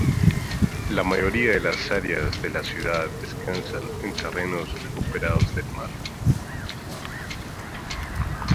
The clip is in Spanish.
La mayoría de las áreas de la ciudad descansan en terrenos recuperados del mar.